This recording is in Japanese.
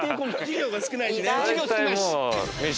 授業少ないし。